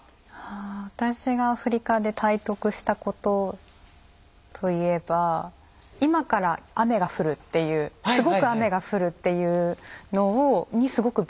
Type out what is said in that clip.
私がアフリカで体得したことといえば今から雨が降るっていうすごく雨が降るっていうのにすごく敏感になったりだとか。